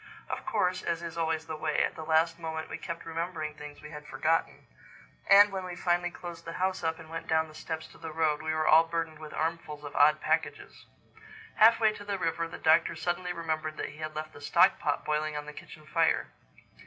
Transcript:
Of course, as is always the way, at the last moment we kept remembering things we had forgotten; and when we finally closed the house up and went down the steps to the road, we were all burdened with armfuls of odd packages. Halfway to the river, the Doctor suddenly remembered that he had left the stock pot boiling on the kitchen fire.